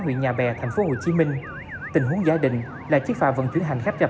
gần kia thành phố hồ chí minh tình huống giá định là chiếc phà vận chuyển hành khách gặp